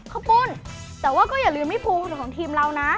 ขอบคุณแต่ว่าก็อย่าลืมพี่ฟูของทีมเรานะ